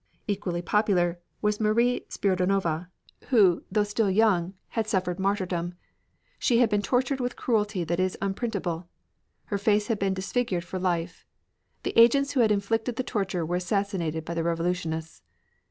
Equally popular was Marie Spiridonova, who, though still young, had suffered martyrdom. She had been tortured with cruelty that is unprintable. Her face had been disfigured for life. The agents who had inflicted the torture were assassinated by the revolutionists.